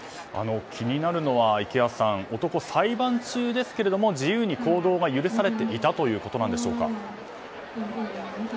気になるのは池谷さん男、裁判中ですけど自由に行動が許されていたということでしょうか。